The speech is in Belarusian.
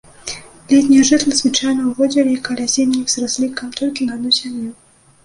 Летнія жытлы звычайна ўзводзілі каля зімніх з разлікам толькі на адну сям'ю.